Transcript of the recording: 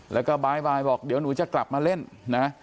แล้วก็บ๊ายบายบอกเดี๋ยวหนูจะกลับมาเล่นนะ